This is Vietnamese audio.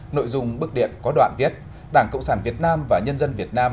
nội dung bức điện có đoạn viết đảng cộng sản việt nam và nhân dân việt nam